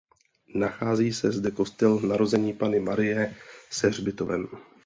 Nachází se zde kostel Narození Panny Marie se hřbitovem.